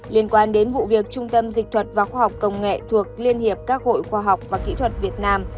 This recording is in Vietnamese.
liên quan đến vụ việc trung tâm dịch thuật và khoa học công nghệ thuộc liên hiệp các hội khoa học và kỹ thuật việt nam